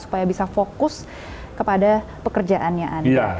supaya bisa fokus kepada pekerjaannya anda